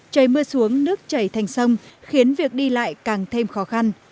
trời mưa xuống nước chảy thành sông khiến việc đi lại càng thêm khó khăn